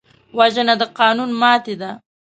وژنه د قانون ماتې ده